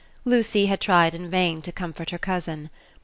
Lucy had tried in vain to comfort her cousin.